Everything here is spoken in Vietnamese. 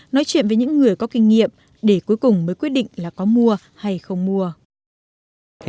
nói chuyện với những người có kinh nghiệm để cuối cùng mới quyết định là có mua hay không mua